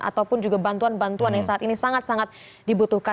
ataupun juga bantuan bantuan yang saat ini sangat sangat dibutuhkan